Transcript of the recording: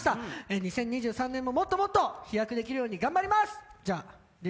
２０２３年ももっともっと飛躍できるように頑張ります！